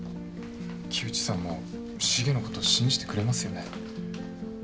木内さんもシゲのこと信じてくれますよね？